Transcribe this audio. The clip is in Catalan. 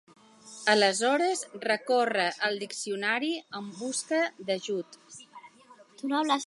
Aleshores recorre al diccionari en busca d'ajut.